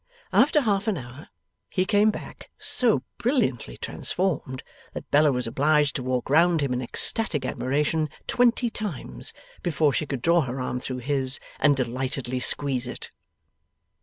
After half an hour, he came back, so brilliantly transformed, that Bella was obliged to walk round him in ecstatic admiration twenty times, before she could draw her arm through his, and delightedly squeeze it.